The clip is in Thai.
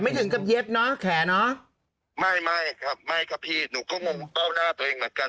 แขกก็แกเกิดละศรีอะไรทำไมแกโดนตีหรอ